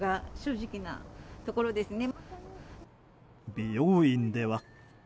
美容院では。